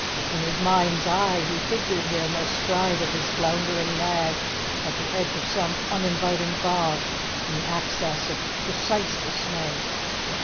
In his mind's eye he figured him astride of his floundering nag at the edge of some uninviting bog in an access of precise dismay.